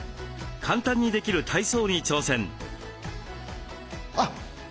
簡単にできる体操に挑戦。